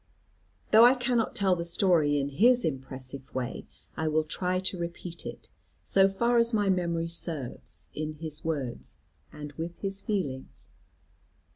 Though I cannot tell the story in his impressive way, I will try to repeat it, so far as my memory serves, in his words, and with his feelings.